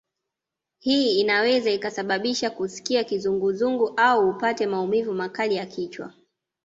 Hii inaweza ikasababisha kusikia kizunguzungu au upate maumivu makali ya kichwa